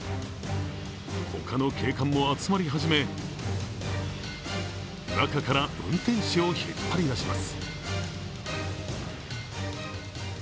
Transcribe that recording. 他の警官も集まり始め、中から運転手を引っ張り出します。